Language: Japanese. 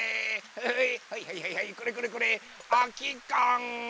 はいはいはいはいはいこれこれこれあきかん。